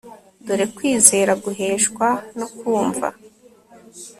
dore kwizera guheshwa no kumva